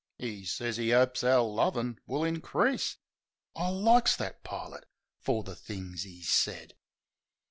'E sez 'e 'opes our lovin' will increase — I likes that pilot f er the things 'e said.